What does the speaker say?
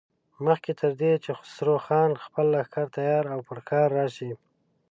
مخکې تر دې چې خسرو خان خپل لښکر تيار او پر ښار راشي.